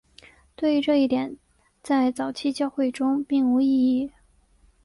对于这一点在早期教会中并无异议。